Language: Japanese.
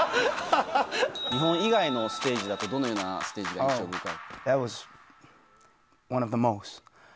日本以外のステージだと、どのようなステージが印象深い？